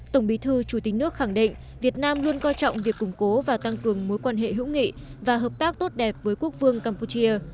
tổng bí thư chủ tịch nước khẳng định việt nam luôn coi trọng việc củng cố và tăng cường mối quan hệ hữu nghị và hợp tác tốt đẹp với quốc vương campuchia